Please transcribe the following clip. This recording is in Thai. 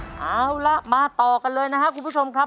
เอาล่ะมาต่อกันเลยนะครับคุณผู้ชมครับ